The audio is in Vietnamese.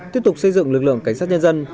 tiếp tục xây dựng lực lượng cảnh sát nhân dân